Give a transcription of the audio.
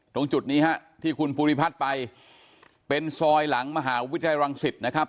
ตรงจุดนี้ฮะที่คุณภูริพัฒน์ไปเป็นซอยหลังมหาวิทยาลัยรังสิตนะครับ